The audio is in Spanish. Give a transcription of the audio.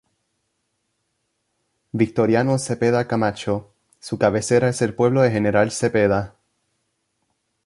Victoriano Cepeda Camacho, su cabecera es el pueblo de General Cepeda.